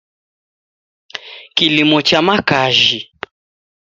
Kilimo cha makajhi